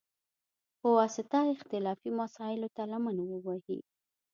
په واسطه، اختلافي مسایلوته لمن ووهي،